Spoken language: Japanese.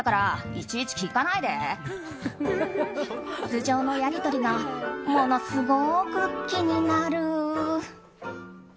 頭上のやり取りがものすごく気になる。